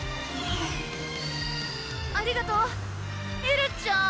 ありがとうエルちゃうん？